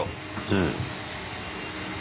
うん。